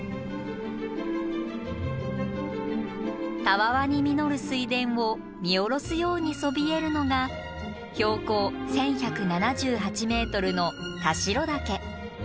たわわに実る水田を見下ろすようにそびえるのが標高１，１７８ｍの田代岳。